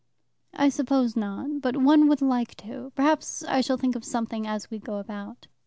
" I suppose not, but one would like to. Perhaps I shall think of something as we go about."